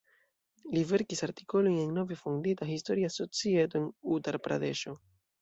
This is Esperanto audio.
Li verkis artikolojn en nove fondita Historia Societo en Utar-Pradeŝo.